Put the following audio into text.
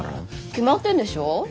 決まってんでしょ。